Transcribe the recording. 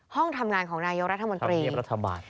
ห้องทำงานของนายกรัฐมนตรีธรรมเนียบรัฐบาล